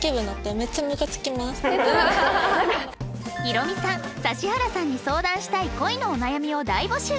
ヒロミさん指原さんに相談したい恋のお悩みを大募集！